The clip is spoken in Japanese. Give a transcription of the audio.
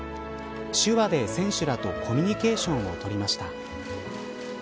手話で選手らとコミュニケーションを取りました。